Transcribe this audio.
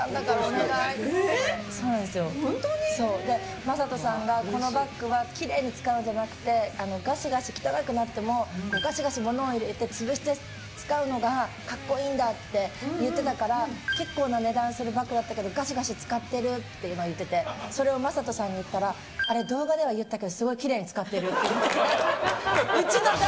魔裟斗さんはこのバッグはきれいに使うんじゃなくてガシガシ汚くなっても潰して使うのが格好いいんだって言ってたから結構な値段するバッグだけどガシガシ使ってるって言ってそれを魔裟斗さんに言ったらあれ動画では言ったけど本当はきれいに使ってる。